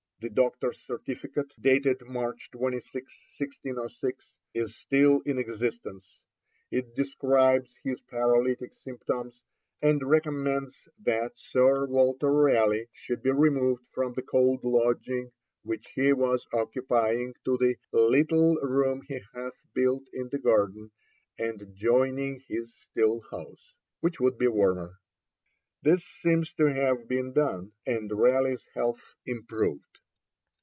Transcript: The doctor's certificate, dated March 26, 1606, is still in existence; it describes his paralytic symptoms, and recommends that Sir Walter Raleigh should be removed from the cold lodging which he was occupying to the 'little room he hath built in the garden, and joining his still house,' which would be warmer. This seems to have been done, and Raleigh's health improved.